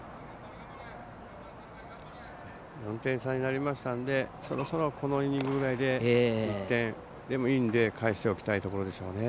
４点差になりましたのでそろそろ、このイニングぐらいで１点でもいいのでかえしておきたいところでしょう。